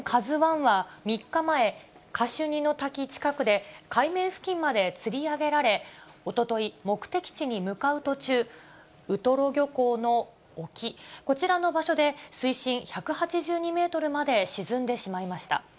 ＫＡＺＵＩは、３日前、カシュニの滝近くで、海面付近までつり上げられ、おととい、目的地に向かう途中、ウトロ漁港の沖、こちらの場所で水深１８２メートルまで沈んでしまいました。